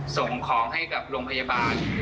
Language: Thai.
ส่งของให้กับโรงพยาบาล